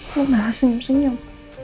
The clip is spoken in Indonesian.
lo malah senyum senyum